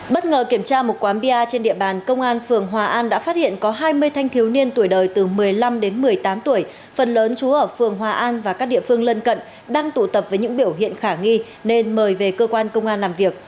bất ngờ kiểm tra một quán bia trên địa bàn công an phường hòa an đã phát hiện có hai mươi thanh thiếu niên tuổi đời từ một mươi năm đến một mươi tám tuổi phần lớn chú ở phường hòa an và các địa phương lân cận đang tụ tập với những biểu hiện khả nghi nên mời về cơ quan công an làm việc